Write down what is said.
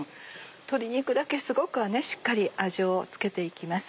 鶏肉だけすごくしっかり味を付けて行きます。